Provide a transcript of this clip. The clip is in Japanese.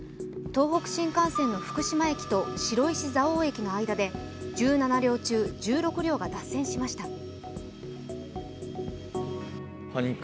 東北新幹線の福島駅と白石蔵王駅の間で１７両中１６両が脱線しました。